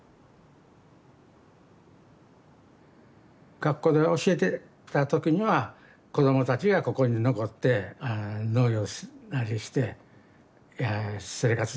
学校で教えてた時には子どもたちがここに残って農業なりして生活してほしいなゆう